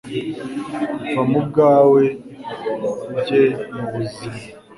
va mu byawe uge mu bizima